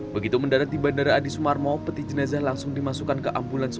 begitu mendarat di bandara adi sumarmo peti jenazah langsung dimasukkan ke ambulans